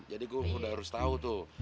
jadi gue udah harus tau tuh